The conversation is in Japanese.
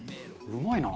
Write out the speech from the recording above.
うまいな。